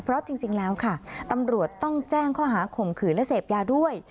เพราะจริงแล้วค่ะตำรวจต้องแจ้งข้อหาข่มขืนและเสพยาด้วย